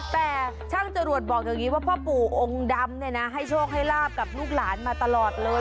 แต่ช่างจรวดบอกอย่างนี้ว่าพ่อปู่องค์ดำเนี่ยนะให้โชคให้ลาบกับลูกหลานมาตลอดเลย